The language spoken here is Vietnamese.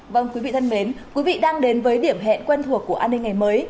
vâng quý vị thân mến quý vị đang đến với điểm hẹn quen thuộc của an ninh ngày mới